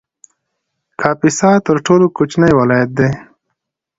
کاپیسا تر ټولو کوچنی ولایت دی